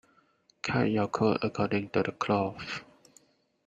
Cut your coat according to the cloth.